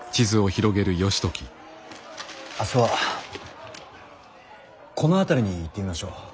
明日はこの辺りに行ってみましょう。